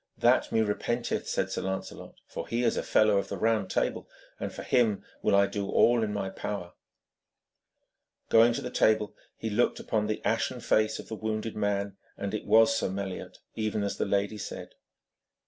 'That me repenteth,' said Sir Lancelot, 'for he is a fellow of the Round Table, and for him will I do all in my power.' Going to the table, he looked upon the ashen face of the wounded man, and it was Sir Meliot, even as the lady said.